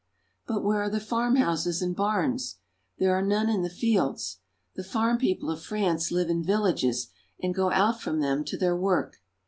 But where are the farmhouses and barns? There are none in the fields. The farm people of France live in villages, and go out from them to their work.